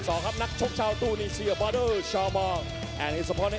และเขาเชิญในข้างภูมิคิตตีศักดิ์ลูกวังชมพูจากไทย